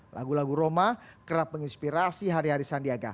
lagu lagu roma kerap menginspirasi hari hari sandiaga